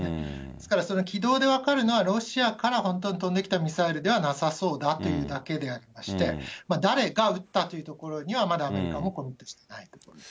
ですからその軌道で分かるのはロシアから本当に飛んできたミサイルではなさそうだというだけでありまして、誰が撃ったというところにはまだアメリカもコメントしていないと。